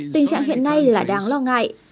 tình trạng hiện nay lại đáng lo ngại